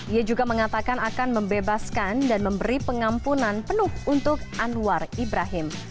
ia juga mengatakan akan membebaskan dan memberi pengampunan penuh untuk anwar ibrahim